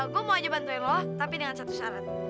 gue mau aja bantuin lo tapi dengan satu syarat